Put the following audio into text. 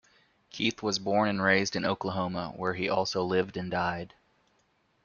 Keith was born and raised in Oklahoma, where he also lived and died.